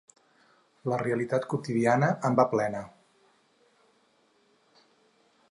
La realitat quotidiana en va plena.